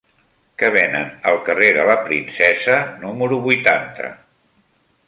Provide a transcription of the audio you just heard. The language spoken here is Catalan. Què venen al carrer de la Princesa número vuitanta?